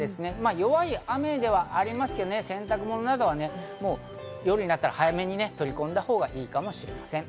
弱い雨ではありますけど、洗濯物などは夜になったら早めに取り込んだほうがいいかもしれません。